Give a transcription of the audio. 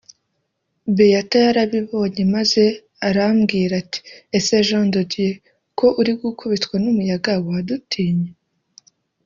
Béatha yarabibonye maze arambwira ati ese Jean de Dieu ko uri gukubitwa n’umuyaga wadutinye